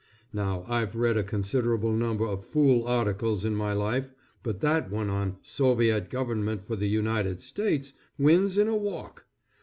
Now I've read a considerable number of fool articles in my life, but that one on "Soviet Government for the United States," wins in a walk.